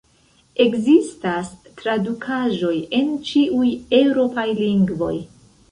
Ekzistas tradukaĵoj en ĉiuj eŭropaj lingvoj.